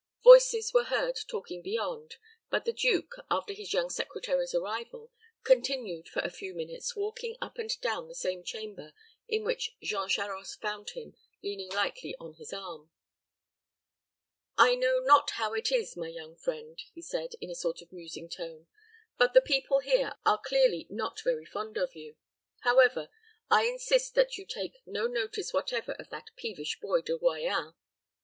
Voices were heard talking beyond; but the duke, after his young secretary's arrival, continued for a few minutes walking up and down the same chamber in which Jean Charost found him, leaning lightly on his arm. "I know not how it is, my young friend," he said, in a sort of musing tone, "but the people here are clearly not very fond of you. However, I must insist that you take no notice whatever of that peevish boy, De Royans."